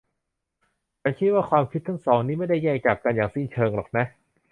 ฉันคิดว่าความคิดทั้งสองนี้ไม่ได้แยกจากกันอย่างสิ้นเชิงหรอกนะ